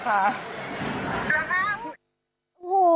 ขอบคุณค่ะ